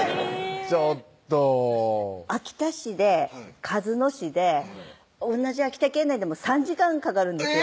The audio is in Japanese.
ちょっと秋田市で鹿角市で同じ秋田県内でも３時間かかるんですよ